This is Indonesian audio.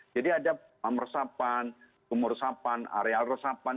jadi ada pemeresapan pemeresapan areal resapan